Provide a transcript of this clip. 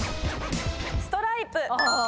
ストライプ。